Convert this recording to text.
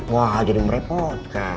wah jadi merepotkan